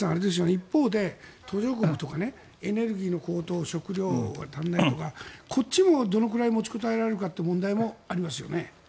一方で途上国とかエネルギーの高騰食料が足りないとかこっちも、どのくらい持ちこたえられるかという問題もありますよね。